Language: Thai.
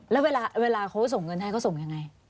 แล้วเวลาเขาส่งเงินให้เขาส่งยังไง